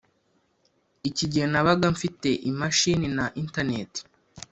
iki gihe nabaga mfite imashini na internet